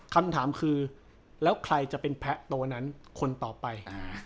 คำถามคือแล้วใครจะเป็นแพะตัวนั้นคนต่อไป